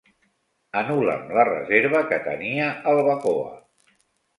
Anul·la'm la reserva que tenia al Bacoa.